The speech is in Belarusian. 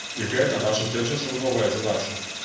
І гэта наша першачарговая задача.